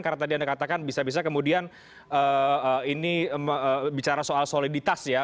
karena tadi anda katakan bisa bisa kemudian ini bicara soal soliditas ya